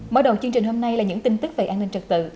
mở đầu chương trình hôm nay là những tin tức về an ninh trật tự